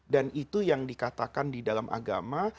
dan itu yang dikatakan di dalam agama